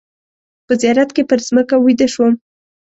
په زیارت کې پر مځکه ویده شوم.